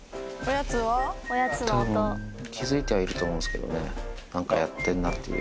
たぶん、気付いてはいると思うんですけどね、なんかやってんなっていう。